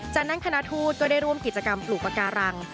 จากนั้นคณะทูตก็ได้ร่วมกิจกรรมปลูกปากการัง